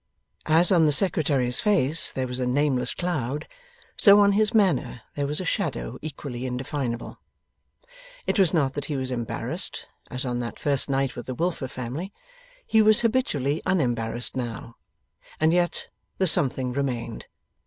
As on the Secretary's face there was a nameless cloud, so on his manner there was a shadow equally indefinable. It was not that he was embarrassed, as on that first night with the Wilfer family; he was habitually unembarrassed now, and yet the something remained.